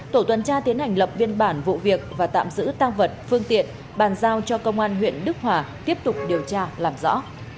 tổ tuần tra tiến hành lập biên bản vụ việc và tạm giữ tăng vật phương tiện bàn giao cho công an huyện đức hòa tiếp tục điều tra làm rõ